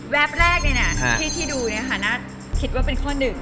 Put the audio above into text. แวะแปลกเลยนะที่ดูนะคะคาน่าขิดว่าเป็นข้อหนึ่ง